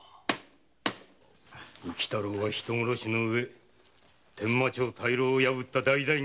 浮太郎は人殺しのうえ伝馬町大牢を破った大罪人だ。